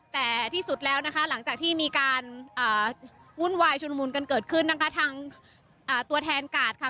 แต่ที่สุดแล้วนะคะหลังจากที่มีการวุ่นวายชุนมุนกันเกิดขึ้นนะคะทางตัวแทนกาดค่ะ